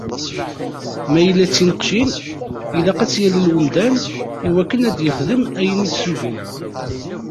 Mayella d tineqcin, ilaq ad tt-yallel umdan iwakken ad d-yexdem ayen i d-tsugen..